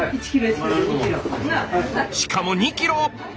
しかも２キロ！